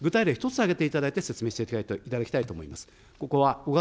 具体例、１つ挙げていただいて、説明していただきたいと思います。